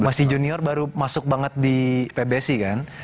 masih junior baru masuk banget di pbsi kan